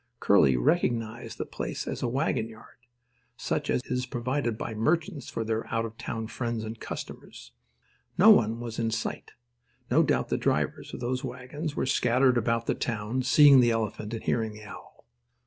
Curly recognised the place as a wagon yard, such as is provided by merchants for their out of town friends and customers. No one was in sight. No doubt the drivers of those wagons were scattered about the town "seeing the elephant and hearing the owl."